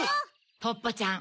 ポッポちゃん